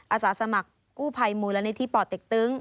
อาสาสมัครกู้ภัยมูลนิธิป่อเต็กตึง